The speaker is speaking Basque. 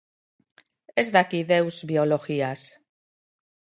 Ez daki deus biologiaz.